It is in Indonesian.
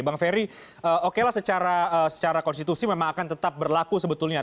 bang ferry okelah secara konstitusi memang akan tetap berlaku sebetulnya